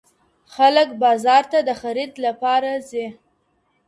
خلک بازار ته د خرید لپاره ځي.